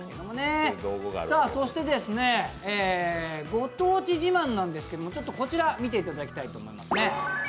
ご当地自慢なんですけれども、こちら見ていただきたいと思います。